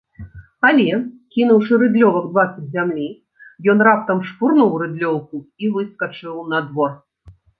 Але, кінуўшы рыдлёвак дваццаць зямлі, ён раптам шпурнуў рыдлёўку і выскачыў на двор.